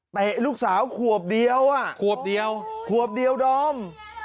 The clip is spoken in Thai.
แตะลูกสาวขวบเดียวขวบเดียวดอม